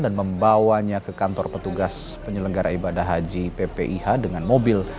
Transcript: dan membawanya ke kantor petugas penyelenggara ibadah haji ppih dengan mobil